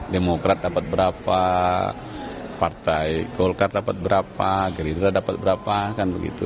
demokrat dapat berapa partai golkar dapat berapa gerindra dapat berapa kan begitu